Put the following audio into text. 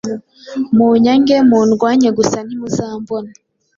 munyange, mundwanye gusa ntimuzambona